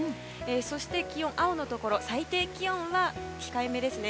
そして青のところ最低気温は控えめですね。